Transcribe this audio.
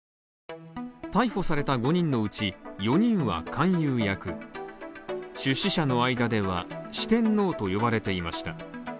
逮捕された５人のうち４人は勧誘役出資者の間では四天王と呼ばれていました。